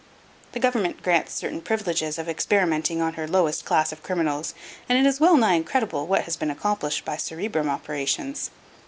The government grants certain privileges of experimenting on her lowest class of criminals, and it is well nigh incredible what has been accomplished by cerebrum operations.